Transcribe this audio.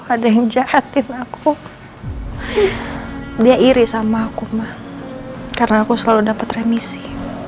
ada yang jahatin aku dia iri sama aku mah karena aku selalu dapat remisi